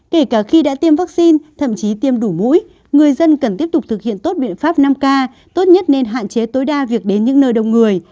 kể cả khi đã tiêm vaccine thậm chí tiêm đủ mũi người dân cần tiếp tục thực hiện tốt biện pháp năm k tốt nhất nên hạn chế tối đa việc đến những nơi đông người